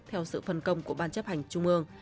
theo sự phân công của ban chấp hành trung ương